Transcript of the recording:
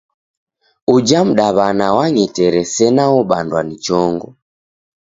Uja mdaw'ana wang'etere sena obandwa ni chongo.